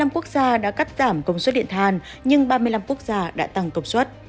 hai mươi năm quốc gia đã cắt giảm công suất điện tham nhưng ba mươi năm quốc gia đã tăng công suất